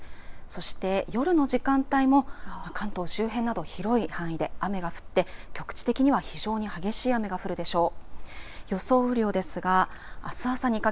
そして、夜の時間帯も関東周辺など広い範囲で雨が降って局地的には非常に激しい雨が降るでしょう。